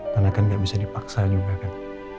karena kan gak bisa dipaksa juga kan